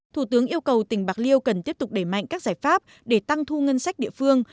thủ tướng yêu cầu tỉnh bạc liêu cần tiếp tục đẩy mạnh các giải pháp để tăng thu ngân sách địa phương